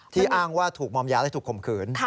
ที่อ้างว่าถูกมอมยาและถูกคมคืน